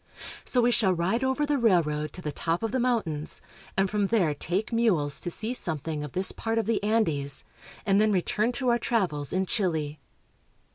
So we shall ride over the railroad to the top of the mountains and from there take mules to see something of this part of the Andes, and then return to our travels in Chile.